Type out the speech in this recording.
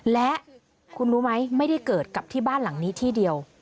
และคุณรู้ไหมไม่ได้เกิดกับที่บ้านหลังนี้ที่เดียว